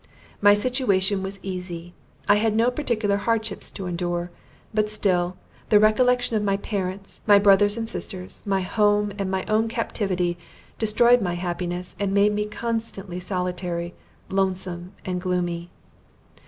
My situation was easy; I had no particular hardships to endure. But still, the recollection of my parents, my brothers and sisters, my home, and my own captivity, destroyed my happiness, and made me constantly solitary, lonesome and gloomy.